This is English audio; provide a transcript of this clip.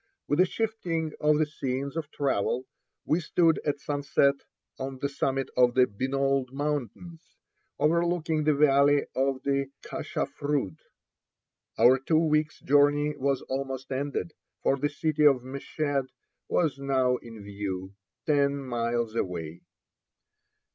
With a shifting of the scenes of travel, we stood at sunset on the summit of the Binalud mountains, overlooking the valley of the Kashafrud. Our two weeks' journey was almost ended, for the city of Meshed was now in view, ten miles away.